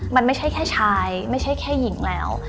มันไม่ใช่แค่ชายไม่ใช่แค่หญิงแล้ว